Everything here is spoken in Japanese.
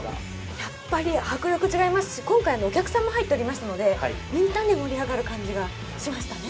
やっぱり迫力が違いますし、お客さんも今回入っていたので、みんなで盛り上がる感じがしましたね。